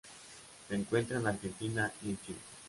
Se encuentra en Argentina y en Chile.